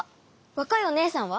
わかいおねえさんは？